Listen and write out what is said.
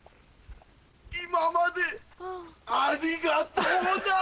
今までありがとうな！